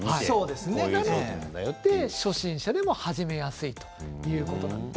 初心者でも始めやすいということなんです。